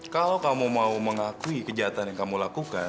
kalau kamu mau mengakui kejahatan yang kamu lakukan